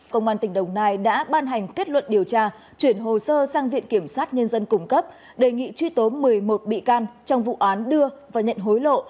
công an tỉnh đồng nai đã ban hành kết luận điều tra chuyển hồ sơ sang viện kiểm sát nhân dân cung cấp đề nghị truy tố một mươi một bị can trong vụ án đưa và nhận hối lộ